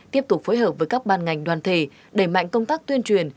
tiếp tục phối hợp với các ban ngành đoàn thể đẩy mạnh công tác tuyên truyền